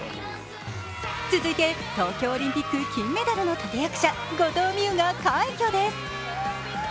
続いて東京オリンピック金メダルの立て役者、後藤希友が快挙です。